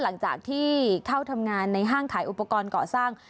หลังจากที่เข้าทำงานในห้างขายอุปกรณ์ก่อสร้าง